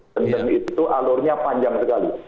kenceng itu alurnya panjang sekali